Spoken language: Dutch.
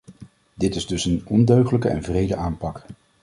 Dit is dus een ondeugdelijke en wrede aanpak.